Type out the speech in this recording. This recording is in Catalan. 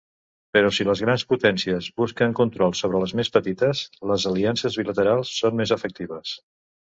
Però si les grans potències busquen control sobre les més petites, les aliances bilaterals són més efectives.